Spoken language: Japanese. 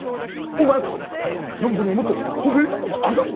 お前こそ暢子にはもっと褒めるとこがあるだろ！